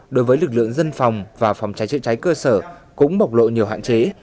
đối với lực lượng dân phòng và phòng cháy chữa cháy cơ sở cũng bộc lộ nhiều hạn chế